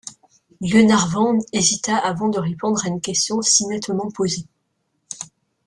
Glenarvan hésita avant de répondre à une question si nettement posée.